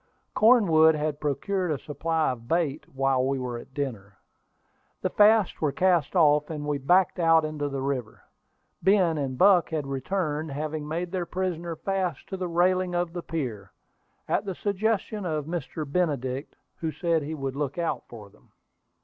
Cornwood had procured a supply of bait while we were at dinner. The fasts were cast off, and we backed out into the river. Ben and Buck had returned, having made their prisoner fast to the railing of the pier, at the suggestion of Mr. Benedict, who said he would look out for him.